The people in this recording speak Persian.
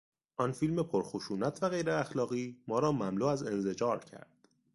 آن فیلم پرخشونت و غیراخلاقی ما را مملو از انزجار کرد.